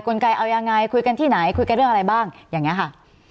ไกเอายังไงคุยกันที่ไหนคุยกันเรื่องอะไรบ้างอย่างนี้ค่ะ